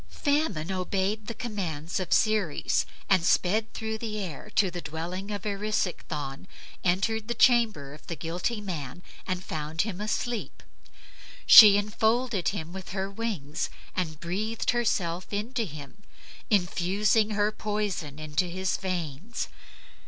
Famine obeyed the commands of Ceres and sped through the air to the dwelling of Erisichthon, entered the bedchamber of the guilty man, and found him asleep. She enfolded him with her wings and breathed herself into him, infusing her poison into his veins.